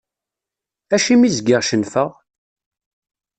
Acimi zgiɣ cennfeɣ?